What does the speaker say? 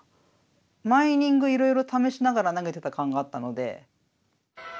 毎イニングいろいろ試しながら投げてた感があったので。